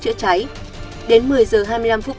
chữa cháy đến một mươi h hai mươi năm phút